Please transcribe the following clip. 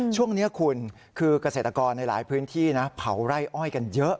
ช่วงนี้คุณคือเกษตรกรในหลายพื้นที่นะเผาไร่อ้อยกันเยอะ